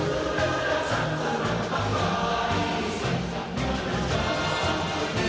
jalakan kawan seluruh perjuangan